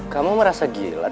kamu merasa gila tidak